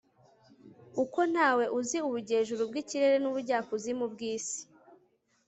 uko nta we uzi ubujyejuru bw'ikirere n'ubujyakuzimu bw'isi